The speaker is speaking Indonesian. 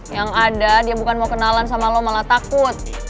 yang ada dia bukan mau kenalan sama lo malah takut